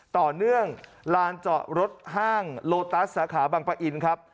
ต่อเนื่องลานจอดรถห้างโลตัสสาขาบังปะอินครับ